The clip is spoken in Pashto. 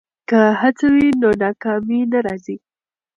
که هڅه وي نو ناکامي نه راځي.